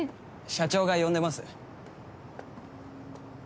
社長が呼んでます。